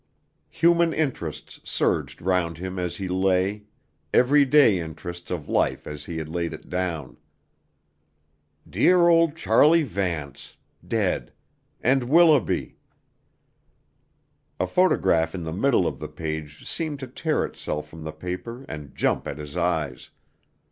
Human interests surged round him as he lay, every day interests of life as he had laid it down. "Dear old Charley Vance. Dead! And Willoughby...." A photograph in the middle of the page seemed to tear itself from the paper and jump at his eyes.